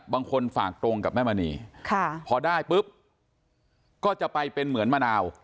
บางคนฝากตรงกับแม่มณีพอได้ปุ๊บก็จะไปเป็นเหมือนมะนาว